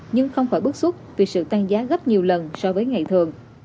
nhưng không khỏi bức xúc vì sự tăng giá gấp nhiều lần so với ngày thường